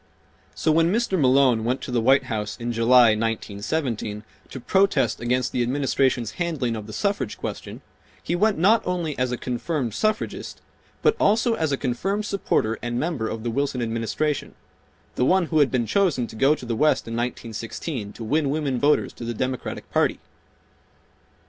So when Mr. Malone went to the White House in July, 1917, to protest against the Administration's handling of the suffrage question, he went not only as a confirmed suffragist, but also a5 a confirmed supporter and member of the Wilson Administration—the one who had been chosen to go to the West in 1916 to win women voters to the Democratic Party.